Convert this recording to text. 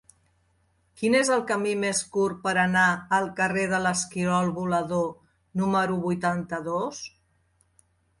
Quin és el camí més curt per anar al carrer de l'Esquirol Volador número vuitanta-dos?